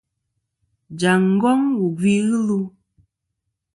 Jaŋ ngong wù gvi ghɨ lu.